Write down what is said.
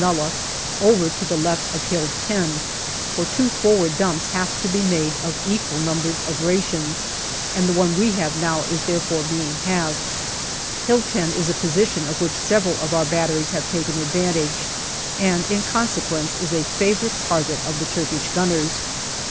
nullah over to the left of Hill 10, for two forward dumps have to be made of equal numbers of rations, and the one we have now is therefore being halved. Hill 10 is a position of which several of our batteries have taken advantage, and in conse quence is a favourite target of the Turkish gunners.